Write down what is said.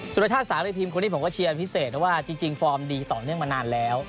สุรชาติสารีพิมพ์คนนี้ผมก็เชียร์พิเศษเพราะว่าจริงฟอร์มดีต่อเนื่องมานานแล้ว